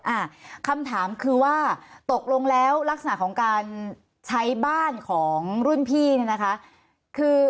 อ่าคำถามคือว่าตกลงแล้วลักษณะของการใช้บ้านของรุ่นพี่เนี่ยนะคะคือ